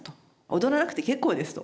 「踊らなくて結構です」と。